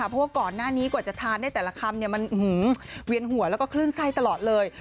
เพราะว่าก่อนหน้านี้กว่าจะทานได้แต่ละคำมันเวียนหัวแล้วก็คลื่นไส้ตลอดเลย